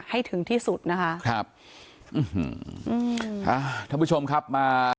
ให้ถึงที่สุดนะคะครับอืมอ่าท่านผู้ชมครับมา